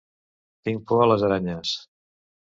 Tinc por a les aranyes.